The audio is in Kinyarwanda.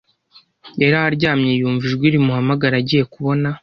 yari aryamye yumva ijwi rimuhamagara agiye kubona